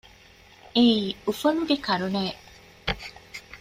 އެއީ އުފަލުގެ ކަރުނަ އެއް